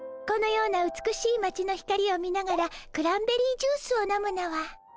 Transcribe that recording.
このような美しいまちの光を見ながらクランベリージュースを飲むのは。